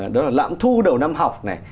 đó là lãm thu đầu năm học này